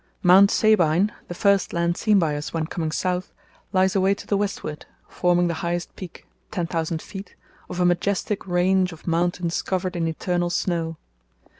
Mount Sabine, the first land seen by us when coming south, lies away to the westward, forming the highest peak (10,000 ft.) of a majestic range of mountains covered in eternal snow.